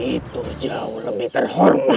itu jauh lebih terhormat